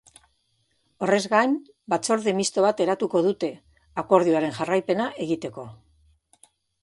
Horrez gain, batzorde misto bat eratuko dute, akordioaren jarraipena egiteko.